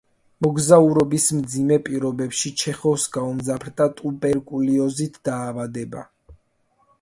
მოგზაურობის მძიმე პირობებში ჩეხოვს გაუმძაფრდა ტუბერკულოზით დაავადება.